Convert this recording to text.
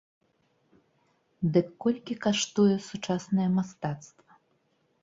Дык колькі каштуе сучаснае мастацтва?